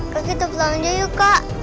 kak kita pulang aja yuk kak